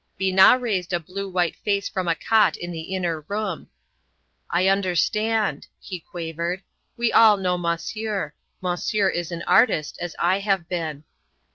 Binat raised a blue white face from a cot in the inner room. "I understand," he quavered. "We all know Monsieur. Monsieur is an artist, as I have been."